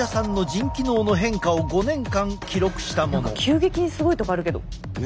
急激にすごいとこあるけど。